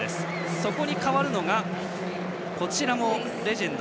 そこに代わるのがこちらもレジェンド。